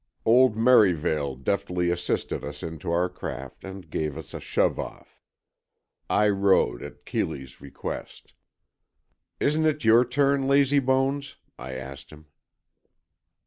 Old Merivale deftly assisted us into our craft and gave us a shove off. I rowed, at Keeley's request. "Isn't it your turn, lazybones?" I asked him.